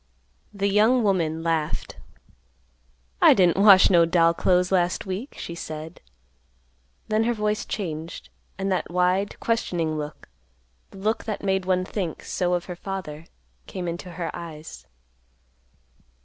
The young woman laughed. "I didn't wash no doll clothes last week," she said. Then her voice changed, and that wide, questioning look, the look that made one think so of her father, came into her eyes.